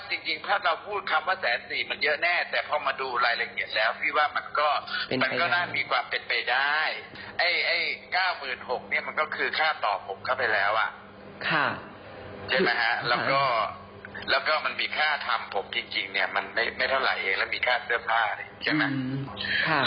ใช่มั้ยฮะแล้วก็มันมีค่าทำผมจริงเนี่ยมันไม่เท่าไหร่เองแล้วมีค่าเสื้อผ้าเลยใช่มั้ย